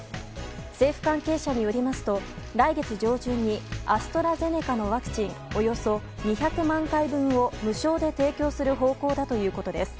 政府関係者によりますと来月上旬にアストラゼネカのワクチンおよそ２００万回分を無償で提供する方向だということです。